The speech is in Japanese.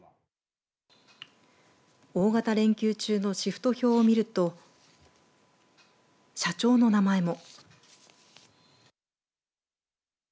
大型連休中のシフト表を見ると社長の名前も。